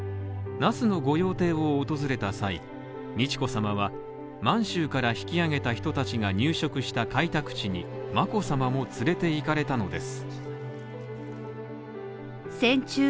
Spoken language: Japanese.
那須の御用邸を訪れた際、美智子さまは満州から引き揚げた人たちが入植した開拓地に眞子さまも連れていかれたのです。